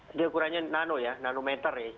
jadi ukurannya nano ya nanometer istilahnya